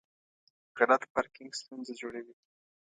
غلط پارکینګ ستونزه جوړوي.